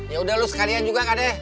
yaudah lu sekalian juga gak deh